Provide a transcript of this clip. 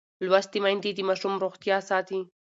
لوستې میندې د ماشوم روغتیا ساتي.